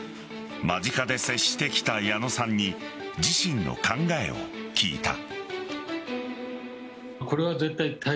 間近で接してきた矢野さんに自身の考えを聞いた。